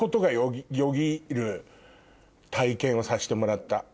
体験をさせてもらった。